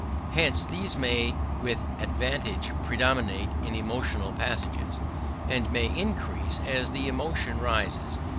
Hence these may with advantage predominate in emotional passages; and may increase as the emotion rises.